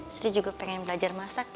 saya juga pengen belajar masak